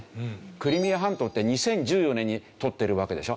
クリミア半島って２０１４年に取ってるわけでしょ。